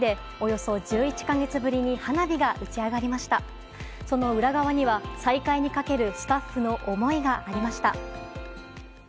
その裏側には、再開にかけるスタッフの思いがありました。